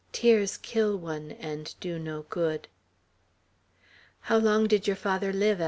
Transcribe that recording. "Tears kill one, and do no good." "How long did your father live?"